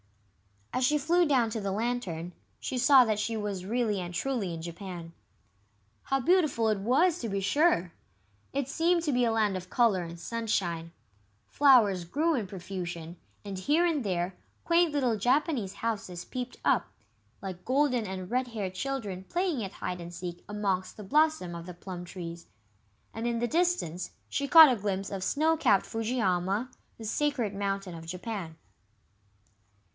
As she flew down to the Lantern, she saw that she was really and truly in Japan. How beautiful it was, to be sure! It seemed to be a land of colour and sunshine. Flowers grew in profusion, and here and there quaint little Japanese houses peeped up, like golden and red haired children playing at hide and seek amongst the blossom of the plum trees. And in the distance she caught a glimpse of snow capped Fujiyama, the sacred mountain of Japan.